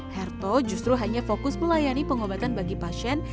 herto justru hanya fokus melayani pengobatan bagi pasien